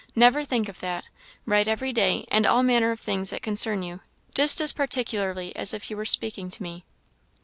Never think of that; write every day, and all manner of things that concern you just as particularly as if you were speaking to me."